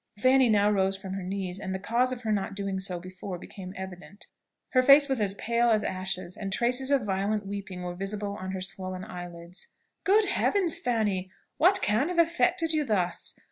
Fanny now rose from her knees, and the cause of her not doing so before became evident. Her face was as pale as ashes, and traces of violent weeping were visible on her swollen eyelids. "Good Heaven, Fanny! what can have affected you thus?